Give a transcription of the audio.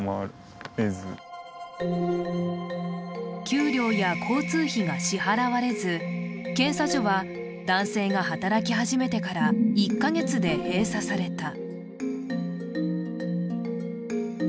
給料や交通費が支払われず、検査所は男性が働き始めてから１か月で閉鎖された。